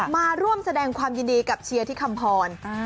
มาร่วมแสดงความยินดีกับเชียร์ที่คำพร